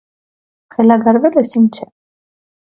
- Խելագարվե՞լ ես, ինչ է: